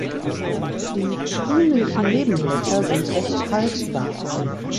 Die pfriemlichen Nebenblätter sind recht haltbar.